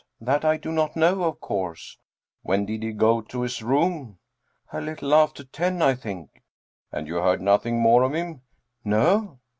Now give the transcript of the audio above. That I do not know, of course." " When did he go to his room ?"" A little after ten, I think." " And you heard nothing more of him ?"" No."